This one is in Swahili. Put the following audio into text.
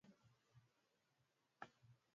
kama hajafanya pia utafiti angalau wanatakiwa